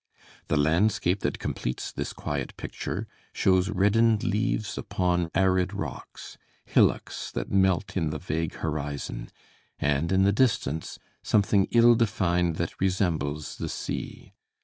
The landscape that completes this quiet picture shows reddened leaves upon arid rocks; hillocks that melt in the vague horizon, and in the distance, something ill defined that resembles the sea.